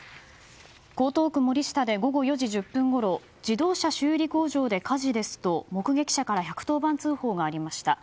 江東区森下で午後４時１０分ごろ自動車修理工場で火事ですと目撃者から１１０番通報がありました。